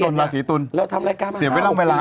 โปรดติดตามตอนต่อไป